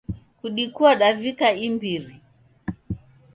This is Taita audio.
Kudikua davika imbiri